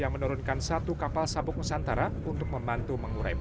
yang menurunkan satu kapal sabuk nusantara untuk membantu mengurai